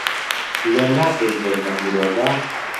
لێم ناکەی جێژنە پیرۆزە